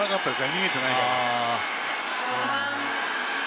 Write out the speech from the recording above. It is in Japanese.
逃げていないから。